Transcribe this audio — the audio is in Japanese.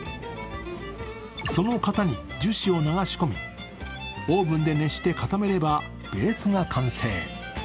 その型に樹脂を流し込み、オーブンで熱して固めればベースが完成。